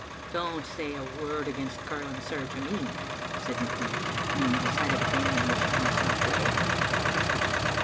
" Don't say a word against curling, sir, to me," said McQueen, whom the sight of a game in which he must not play had turned crusty.